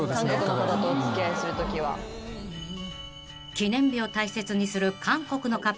［記念日を大切にする韓国のカップル］